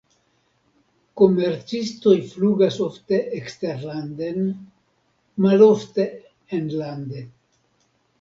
Komercistoj flugas ofte eksterlanden, malofte enlande.